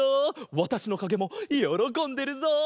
わたしのかげもよろこんでるぞ！